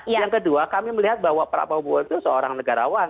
yang kedua kami melihat bahwa pak prabowo itu seorang negarawan